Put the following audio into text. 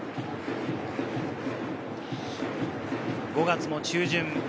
５月も中旬。